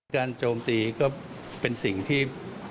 โจมตีก็เป็นสิ่งที่